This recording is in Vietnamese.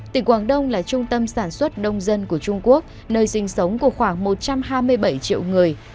tỉnh quảng đông là trung tâm sản xuất đông dân của trung quốc nơi sinh sống của khoảng một trăm hai mươi bảy triệu người